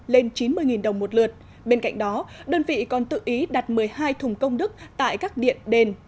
lên chín mươi đồng một lượt bên cạnh đó đơn vị còn tự ý đặt một mươi hai thùng công đức tại các điện đền